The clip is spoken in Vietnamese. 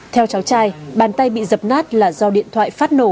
theo cháu trai bàn tay bị dập nát là do điện thoại phát nổ